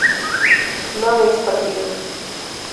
no habéis partido